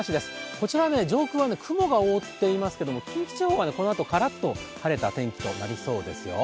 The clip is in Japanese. こちら上空は雲が覆っていますけれども近畿地方はこのあとカラッと晴れた天気になりそうですよ。